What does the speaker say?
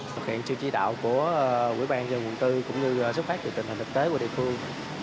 thực hiện siêu chỉ đạo của quỹ ban dân quận bốn cũng như xuất phát từ tình hình thực tế của địa phương